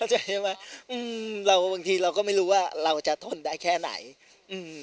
ใช่ไหมอืมเราบางทีเราก็ไม่รู้ว่าเราจะทนได้แค่ไหนอืม